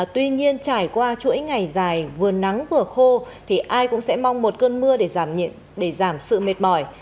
tuy nhiên trải qua chuỗi ngày dài vừa nắng vừa khô thì ai cũng sẽ mong một cơn mưa để giảm sự mệt mỏi